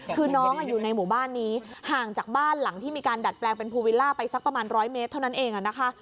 คือน้องอยู่ในหมู่บ้านนี้ห่างจากบ้านหลังที่มีการดัดแปลงเป็นภูวิลล่าไปสักประมาณ๑๐๐เมตรเท่านั้นเองนะคะ